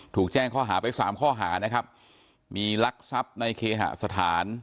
ถูกแจ้งข้อหาไปสามข้อหานะครับมีลักทรัพย์ในเคหสถาน